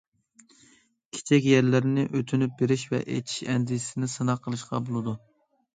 كىچىك يەرلەرنى ئۆتۈنۈپ بېرىش ۋە ئېچىش ئەندىزىسىنى سىناق قىلىشقا بولىدۇ.